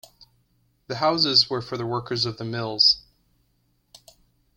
The houses were for the workers of the mills.